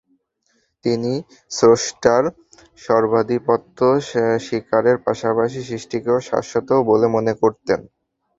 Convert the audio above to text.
তিনি স্রষ্টার সর্বাধিপত্য স্বীকারের পাশাপাশি সৃষ্টিকেও শাশ্বত বলে মনে করতেন।